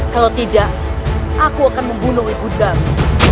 kalau tidak aku akan membunuh ibu dami